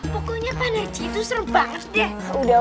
pokoknya pak narji itu serem banget deh